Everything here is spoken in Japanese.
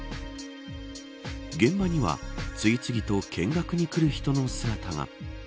現場には次々と見学に来る人の姿が。